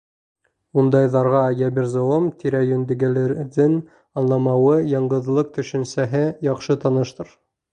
Ундайҙарға йәбер-золом, тирә-йүндәгеләрҙең аңламауы, яңғыҙлыҡ төшөнсәһе яҡшы таныштыр.